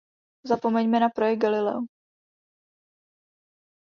Zapomeňme na projekt Galileo.